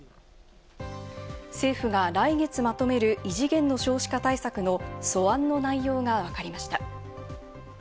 政府が来月まとめる異次元の少子化対策の素案の内容がわかりました。